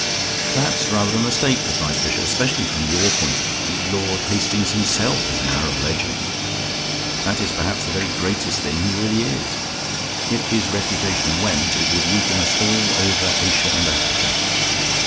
"That's rather a mistake," replied Fisher, "especially from your point of view. Lord Hastings himself is an Arab legend. That is perhaps the very greatest thing he really is. If his reputation went it would weaken us all over Asia and Africa.